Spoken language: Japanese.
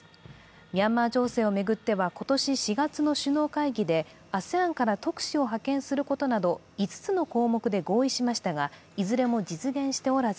ミャンマー情勢を巡っては今年４月の首脳会議でＡＳＥＡＮから特使を派遣することなど５つの項目で合意しましたが、いずれも実現しておらず